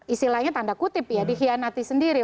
istilahnya tanda kutip ya dihianati sendiri